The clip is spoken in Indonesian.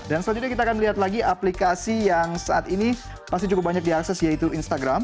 dan selanjutnya kita akan melihat lagi aplikasi yang saat ini pasti cukup banyak diakses yaitu instagram